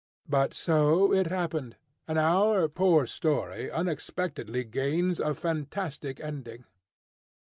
But so it happened, and our poor story unexpectedly gains a fantastic ending.